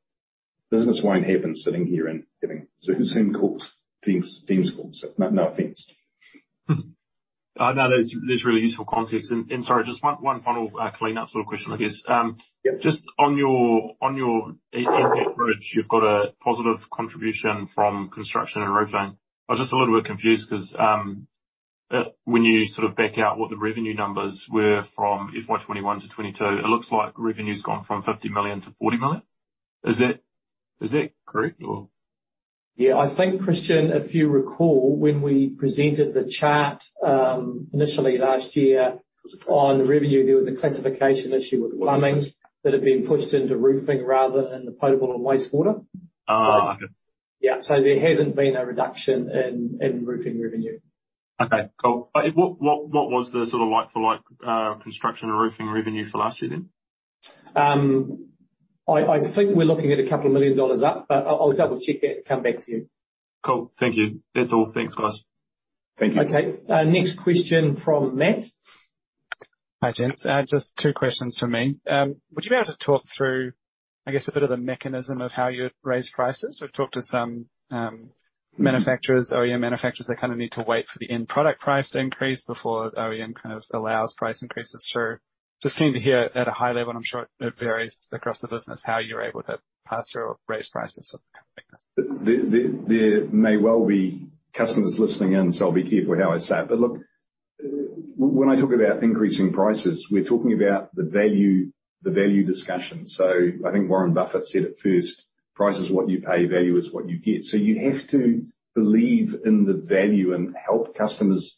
Business won't happen sitting here and getting Zoom calls, Teams calls. No, no offense. No, that's really useful context. Sorry, just one final clean up sort of question, I guess. Yeah. Just on your EBIT bridge, you've got a positive contribution from construction and roofing. I'm just a little bit confused 'cause when you sort of back out what the revenue numbers were from FY2021 to FY2022, it looks like revenue's gone from 50 million -40 million. Is that correct or? Yeah. I think, Christian, if you recall, when we presented the chart, initially last year on revenue, there was a classification issue with plumbing that had been pushed into roofing rather in the potable and wastewater. Okay. Yeah. There hasn't been a reduction in roofing revenue. Okay, cool. What was the sort of like-for-like construction and roofing revenue for last year then? I think we're looking at a couple of million NZD up, but I'll double-check that and come back to you. Cool. Thank you. That's all. Thanks, guys. Thank you. Okay. Next question from Matt. Hi, gents. Just two questions from me. Would you be able to talk through, I guess, a bit of the mechanism of how you raise prices? I've talked to some manufacturers, OEM manufacturers, that kind of need to wait for the end product price to increase before OEM kind of allows price increases through. Just keen to hear at a high level, and I'm sure it varies across the business, how you're able to pass through or raise prices? There may well be customers listening in, so I'll be careful how I say it. Look, when I talk about increasing prices, we're talking about the value discussion. I think Warren Buffett said it first, "Price is what you pay, value is what you get." You have to believe in the value and help customers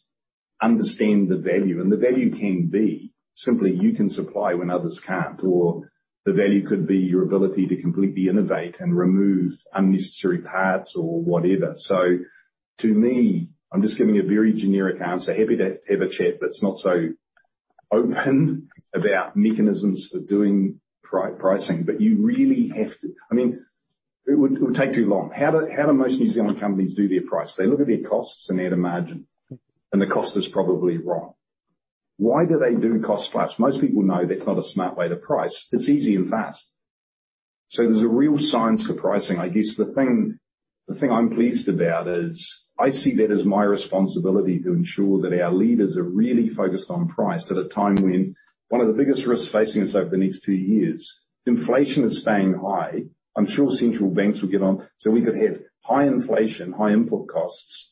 understand the value. The value can be simply you can supply when others can't, or the value could be your ability to completely innovate and remove unnecessary parts or whatever. To me, I'm just giving a very generic answer. Happy to have a chat that's not so open about mechanisms for doing pricing. You really have to. I mean, it would take too long. How do most New Zealand companies do their price? They look at their costs and add a margin, and the cost is probably wrong. Why do they do cost plus? Most people know that's not a smart way to price. It's easy and fast. There's a real science to pricing. I guess the thing I'm pleased about is I see that as my responsibility to ensure that our leaders are really focused on price at a time when one of the biggest risks facing us over the next two years, inflation is staying high. I'm sure central banks will get on. We could have high inflation, high input costs,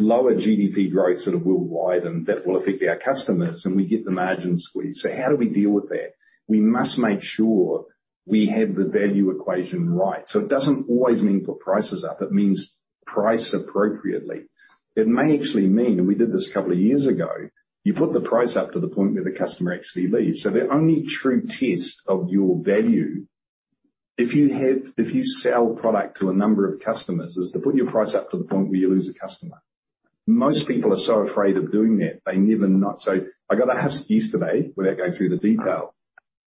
lower GDP growth sort of worldwide, and that will affect our customers and we get the margin squeeze. How do we deal with that? We must make sure we have the value equation right. It doesn't always mean put prices up. It means price appropriately. It may actually mean we did this a couple of years ago. You put the price up to the point where the customer actually leaves. The only true test of your value, if you sell product to a number of customers, is to put your price up to the point where you lose a customer. Most people are so afraid of doing that, they never not. I got asked yesterday, without going through the detail,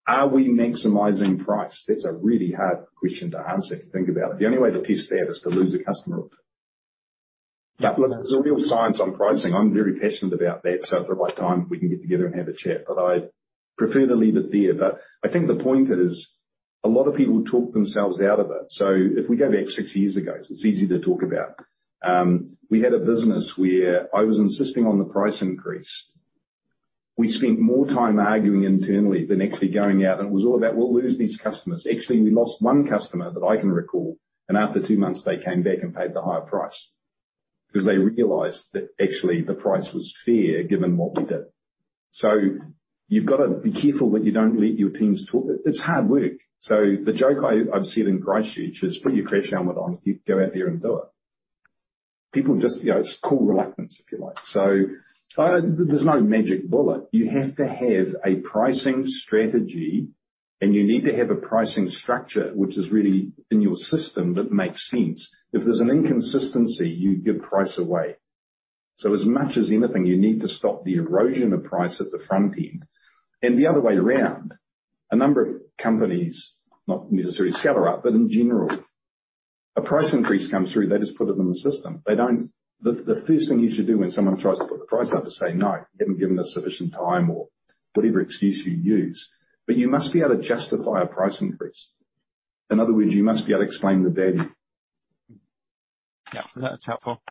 are we maximizing price? That's a really hard question to answer, to think about. The only way to test that is to lose a customer. Yeah. Look, there's a real science on pricing. I'm very passionate about that, so if there's right time we can get together and have a chat, but I'd prefer to leave it there. I think the point is a lot of people talk themselves out of it. If we go back six years ago, it's easy to talk about. We had a business where I was insisting on the price increase. We spent more time arguing internally than actually going out, and it was all about we'll lose these customers. Actually, we lost one customer that I can recall, and after two months, they came back and paid the higher price because they realized that actually the price was fair given what we did. You've gotta be careful that you don't let your teams talk. It's hard work. The joke I've said in Christchurch is put your crash helmet on, go out there and do it. People just, you know, it's cool reluctance, if you like. There's no magic bullet. You have to have a pricing strategy, and you need to have a pricing structure which is really in your system that makes sense. If there's an inconsistency, you give price away. As much as anything, you need to stop the erosion of price at the front end. The other way around, a number of companies, not necessarily Skellerup, but in general, a price increase comes through, they just put it in the system. The first thing you should do when someone tries to put the price up is say, "No, you haven't given us sufficient time," or whatever excuse you use. You must be able to justify a price increase. In other words, you must be able to explain the value. Yeah. That's helpful.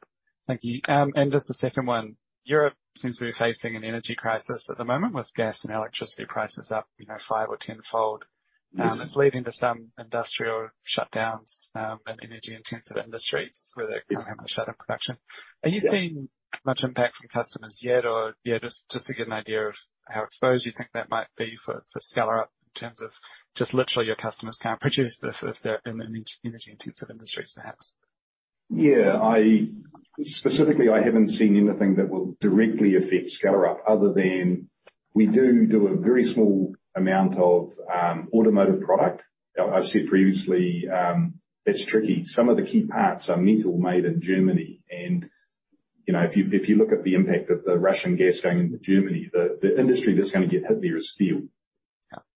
Thank you. Just the second one. Europe seems to be facing an energy crisis at the moment with gas and electricity prices up, you know, five or ten fold. Yes. It's leading to some industrial shutdowns, and energy intensive industries where they're having to shut down production. Yeah. Are you seeing much impact from customers yet? Or, yeah, just to get an idea of how exposed you think that might be for Skellerup in terms of just literally your customers can't produce this if they're in energy-intensive industries, perhaps. Yeah. Specifically, I haven't seen anything that will directly affect Skellerup other than we do a very small amount of automotive product. I've said previously, that's tricky. Some of the key parts are metal made in Germany and, you know, if you look at the impact of the Russian gas going into Germany, the industry that's gonna get hit there is steel.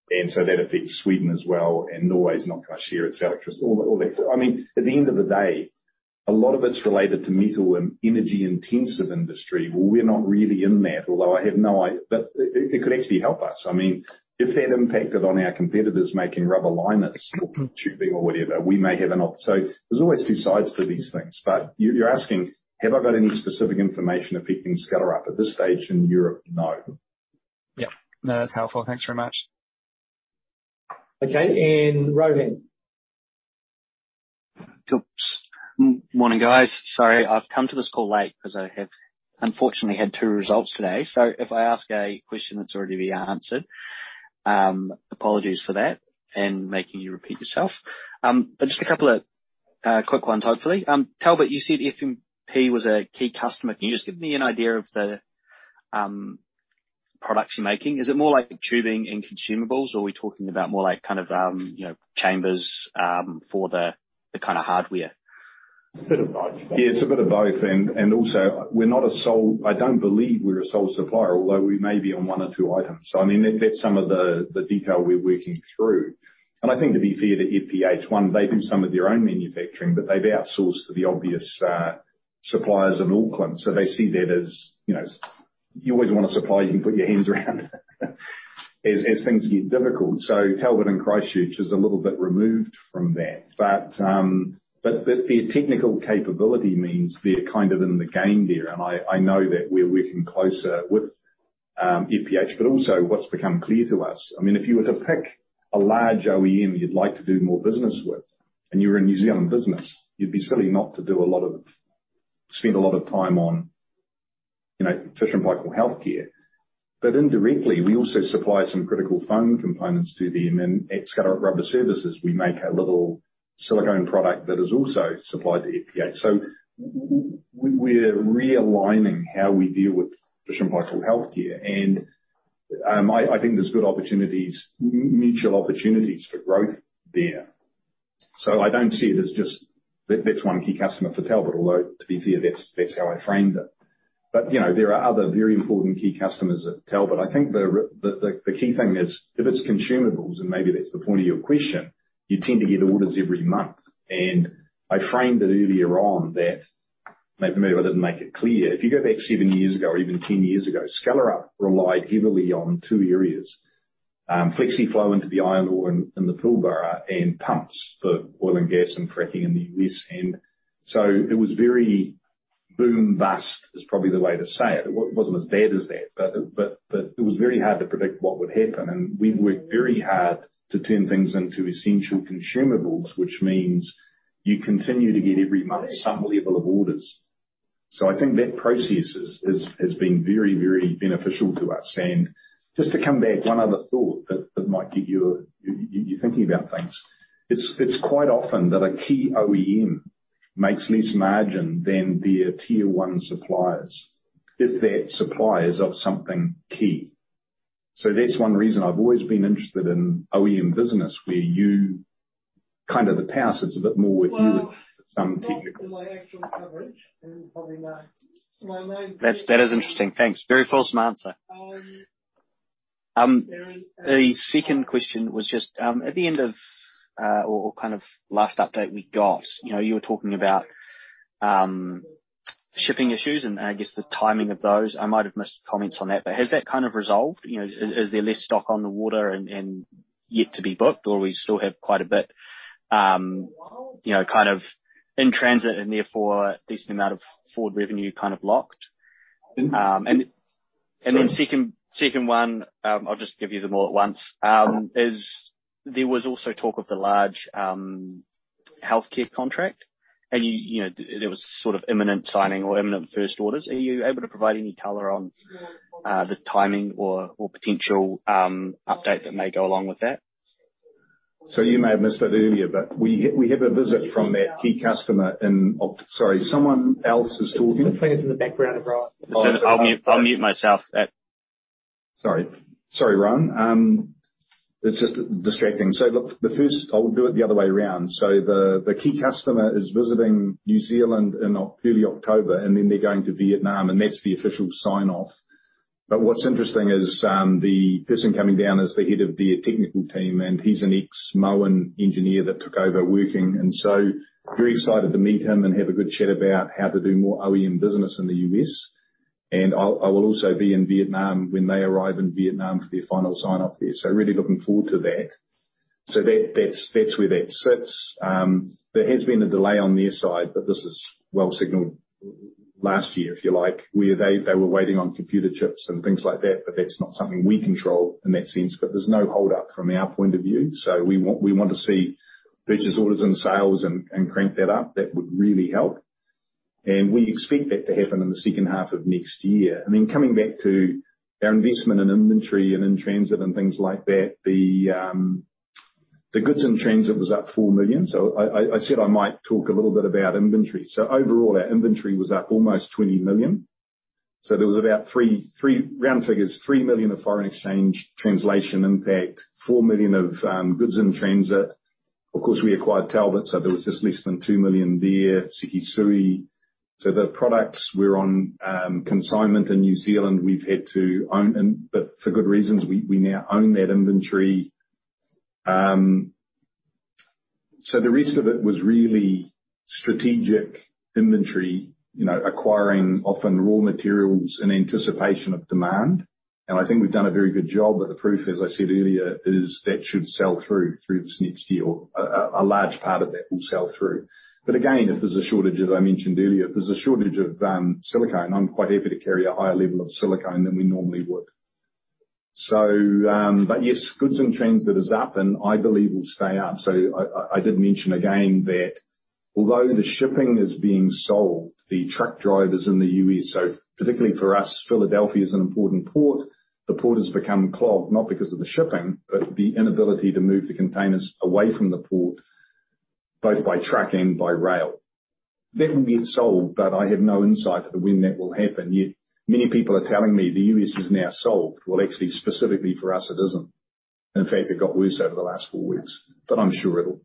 Yeah. That affects Sweden as well, and Norway's not gonna share its electricity, all that. I mean, at the end of the day, a lot of it's related to metal and energy intensive industry. We're not really in that, but it could actually help us. I mean, if that impacted on our competitors making rubber liners or tubing or whatever, we may have an op. There's always two sides to these things. But you're asking, have I got any specific information affecting Skellerup? At this stage in Europe, no. Yeah. No, that's helpful. Thanks very much. Okay. Rohan. Oops. Morning, guys. Sorry, I've come to this call late because I have unfortunately had two results today. If I ask a question that's already been answered, apologies for that and making you repeat yourself. Just a couple of quick ones, hopefully. Talbot, you said FPH was a key customer. Can you just give me an idea of the products you're making? Is it more like tubing and consumables, or are we talking about more like kind of you know, chambers, for the kinda hardware? It's a bit of both. Yeah, it's a bit of both. Also we're not a sole supplier, I don't believe, although we may be on one or two items. I mean, that's some of the detail we're working through. I think to be fair to FPH, one, they do some of their own manufacturing, but they've outsourced to the obvious suppliers in Auckland. They see that as, you know, you always want a supplier you can put your hands around as things get difficult. Talbot in Christchurch is a little bit removed from that. Their technical capability means they're kind of in the game there. I know that we're working closer with FPH, but also what's become clear to us. I mean, if you were to pick a large OEM you'd like to do more business with and you're a New Zealand business, you'd be silly not to spend a lot of time on, you know, Fisher & Paykel Healthcare. Indirectly, we also supply some critical foam components to them. In Skellerup Rubber Services, we make a little silicone product that is also supplied to FPH. We're realigning how we deal with Fisher & Paykel Healthcare, and I think there's good opportunities, mutual opportunities for growth there. I don't see it as just that. That's one key customer for Talbot, although to be fair, that's how I framed it. You know, there are other very important key customers at Talbot. I think the key thing is if it's consumables, and maybe that's the point of your question, you tend to get orders every month. I framed it earlier on that. Maybe I didn't make it clear. If you go back seven years ago or even 10 years ago, Skellerup relied heavily on two areas. Flexiflow into the iron ore and the Pilbara, and pumps for oil and gas and fracking in the U.S. It was very boom-bust, is probably the way to say it. It wasn't as bad as that, but it was very hard to predict what would happen. We've worked very hard to turn things into essential consumables, which means you continue to get every month some level of orders. I think that process has been very beneficial to us. Just to come back, one other thought that might get you thinking about things. It's quite often that a key OEM makes less margin than their tier one suppliers if that supplier is of something key. That's one reason I've always been interested in OEM business, where you kind of the power sits a bit more with you. That is interesting. Thanks. Very thoughtful answer. The second question was just at the end of our last update we got, you know, you were talking about shipping issues and I guess the timing of those. I might have missed comments on that. Has that kind of resolved? Is there less stock on the water and yet to be booked? Or we still have quite a bit kind of in transit and therefore a decent amount of forward revenue kind of locked? Then the second one, I'll just give you them all at once. There was also talk of the large healthcare contract and there was sort of imminent signing or imminent first orders. Are you able to provide any color on the timing or potential update that may go along with that? You may have missed it earlier, but we have a visit from that key customer. Sorry, someone else is talking. There's a thing is in the background of Rohan. I'll mute myself. Sorry. Sorry, Rohan. It's just distracting. Look, I'll do it the other way around. The key customer is visiting New Zealand in early October, and then they're going to Vietnam, and that's the official sign-off. What's interesting is, the person coming down is the head of their technical team, and he's an ex-Moen engineer that took over working. Very excited to meet him and have a good chat about how to do more OEM business in the U.S. I'll also be in Vietnam when they arrive in Vietnam for their final sign-off there. Really looking forward to that. That's where that sits. There has been a delay on their side, but this is well signaled last year, if you like, where they were waiting on computer chips and things like that. That's not something we control in that sense. There's no hold up from our point of view. We want to see purchase orders and sales and crank that up. That would really help. We expect that to happen in the second half of next year. I mean, coming back to our investment in inventory and in transit and things like that, the goods and transit was up 4 million. I said I might talk a little bit about inventory. Overall, our inventory was up almost 20 million. There was about three... round figures, 3 million of foreign exchange translation impact, 4 million of goods in transit. Of course, we acquired Talbot, so there was just less than 2 million there Sekisui. The products we're on consignment in New Zealand, we've had to own but for good reasons, we now own that inventory. The rest of it was really strategic inventory, you know, acquiring often raw materials in anticipation of demand. I think we've done a very good job. The proof, as I said earlier, is that it should sell through this next year, or a large part of that will sell through. Again, if there's a shortage, as I mentioned earlier, if there's a shortage of silicone, I'm quite happy to carry a higher level of silicone than we normally would. Yes, goods in transit is up and I believe will stay up. I did mention again that although the shipping is being solved, the truck drivers in the U.S., so particularly for us, Philadelphia is an important port. The port has become clogged, not because of the shipping, but the inability to move the containers away from the port both by truck and by rail. That will get solved, but I have no insight to when that will happen. Yet many people are telling me the U.S. is now solved. Well, actually, specifically for us, it isn't. In fact, it got worse over the last four weeks, but I'm sure it'll.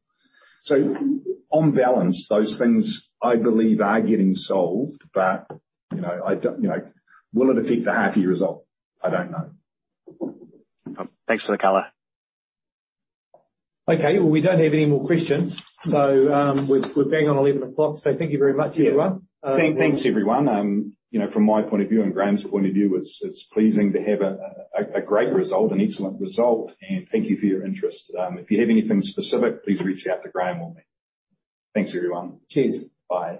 On balance, those things I believe are getting solved. You know, I don't, you know. Will it affect the half year result? I don't know. Thanks for the color. Okay, well, we don't have any more questions, so we're banging on 11 o'clock. Thank you very much everyone. Thanks, everyone. You know, from my point of view and Graham's point of view, it's pleasing to have a great result, an excellent result. Thank you for your interest. If you have anything specific, please reach out to Graham or me. Thanks, everyone. Cheers. Bye.